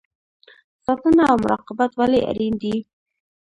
ساتنه او مراقبت ولې اړین دی؟